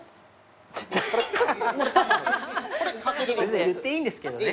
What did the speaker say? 別に言っていいんですけどね。